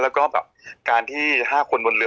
แล้วก็แบบการที่๕คนบนเรือ